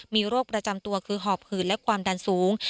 มีโรคประจำตัวคือหอบหืดและความดันสูง